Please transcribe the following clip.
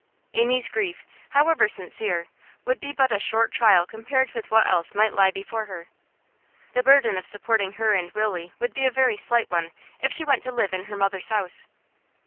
Amy's grief, however sincere, would be but a short trial compared with what else might lie before her. The burden of supporting her and Willie would be a very slight one if she went to live in her mother's house.